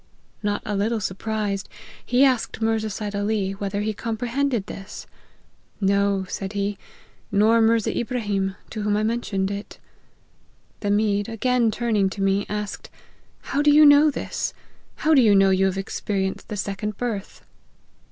Not a little surprised, he asked Mirza Seid Ali whether he comprehended this ?' No,' said he, ' nor Mirza ibraheem, to whom I mentioned it.' The Mede again turning to me, asked, ' how do you know this ? how do you know you have experienced the second birth